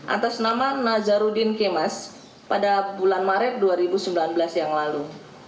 atas nama nazarudin kemas pada bulan maret dua ribu sembilan belas yang lalu